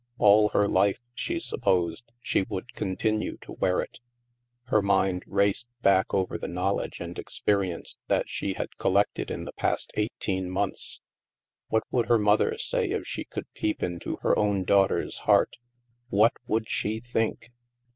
All her life, she supposed, she would continue to wear it. Her mind raced back over the knowledge and experience that she had collected in the past eight een months. What would her mother say if she could peep into her own daughter's heart? What would she think?